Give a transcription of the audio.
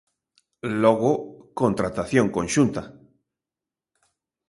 Logo, contratación conxunta.